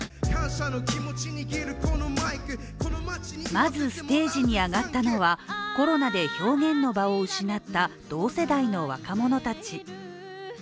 まずステージに上がったのはコロナで表現の場を失った同世代の若者たち。